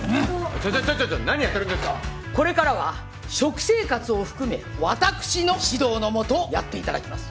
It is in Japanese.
これからは食生活を含め私の指導のもとやっていただきます。